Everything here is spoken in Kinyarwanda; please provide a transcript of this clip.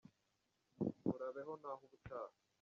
Urabeho nahubutaha